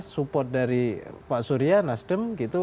support dari pak surya nasdem gitu